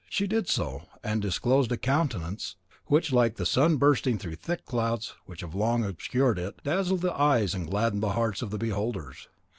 She did so, and disclosed a countenance which, like the sun bursting through thick clouds which have long obscured it, dazzled the eyes and gladdened the hearts of the beholders.